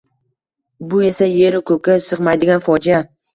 Bu esa yer-u ko‘kka sig‘maydigan fojia...